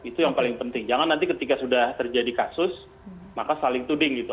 itu yang paling penting jangan nanti ketika sudah terjadi kasus maka saling tuding gitu